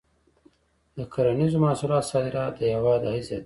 د کرنیزو محصولاتو صادرات د هېواد عاید زیاتوي.